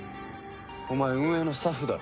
お前運営のスタッフだろ。